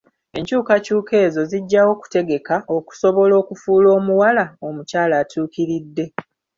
Enkyukakyuka ezo zijjawo kutegeka okusobola okufuula omuwala omukyala atuukiridde.